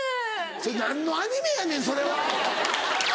それ何のアニメやんねんそれは。